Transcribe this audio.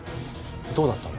どうだったの？